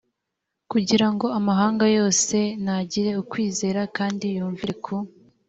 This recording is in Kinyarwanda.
kugira ngo amahanga yose n agire ukwizera kandi yumvire ku